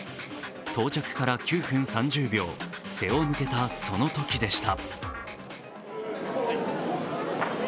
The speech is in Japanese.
到着から９分３０秒、背を向けたそのときでした。